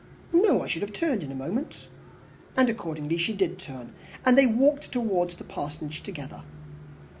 "No, I should have turned in a moment." And accordingly she did turn, and they walked towards the Parsonage together.